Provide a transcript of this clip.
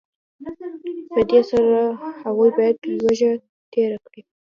په دې سره هغوی باید لوږه تېره کړي